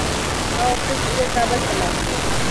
هغه غوښتل چي ژر کابل ته لاړ شي.